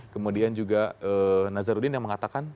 kemudian juga nazarudin yang mengatakan